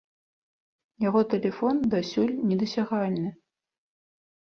Яго тэлефон дасюль недасягальны.